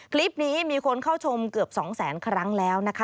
คลิปนี้มีคนเข้าชมเกือบ๒แสนครั้งแล้วนะคะ